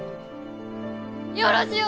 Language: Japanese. よろしゅう